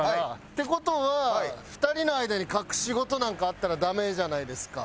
って事は２人の間に隠し事なんかあったらダメじゃないですか。